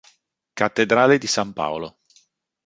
Cattedrale di San Paolo